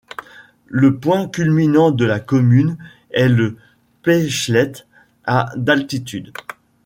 Le point culminant de la commune est le Pechleite à d'altitude.